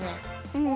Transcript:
うん。